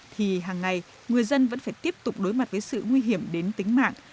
thì hàng ngày người dân vẫn phải tiếp tục đối mặt với sự nguy hiểm đến tính mạng